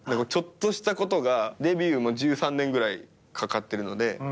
ちょっとしたことがデビューも１３年ぐらいかかってるので。